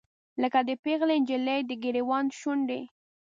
لکه د پیغلې نجلۍ، دګریوان شونډې